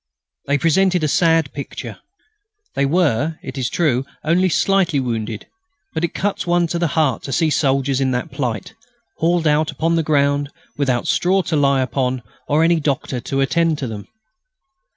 They presented a sad picture. They were, it is true, only slightly wounded; but it cuts one to the heart to see soldiers in that plight, hauled out upon the ground without straw to lie upon or any doctor to attend to them.